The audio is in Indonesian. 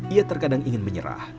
ia terkadang ingin menyerah